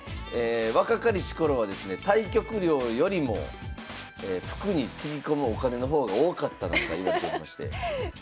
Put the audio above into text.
若かりし頃はですね対局料よりも服につぎ込むお金の方が多かったなんかいわれておりまして。